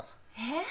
えっ？